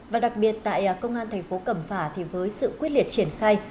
và đặc biệt tại công an thành phố cẩm phả thì với sự quyết liệt triển khai